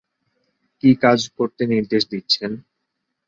কি কাজ করতে নির্দেশ দিচ্ছেন?